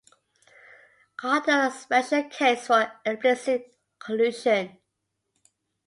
Cartels are a special case of explicit collusion.